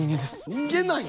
人間なんや。